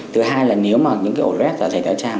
thứ hai là nếu mà những ổ lết dạ dày dạ trang